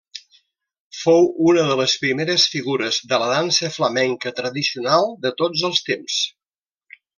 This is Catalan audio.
Fou una de les primeres figures de la dansa flamenca tradicional de tots els temps.